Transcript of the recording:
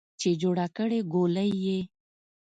چې جوړه کړې ګولۍ یې